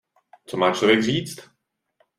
Co má člověk říct?